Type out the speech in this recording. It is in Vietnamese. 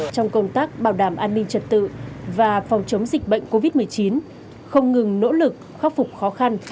trong công tác bảo đảm an ninh trật tự và phòng chống dịch bệnh covid một mươi chín không ngừng nỗ lực khắc phục khó khăn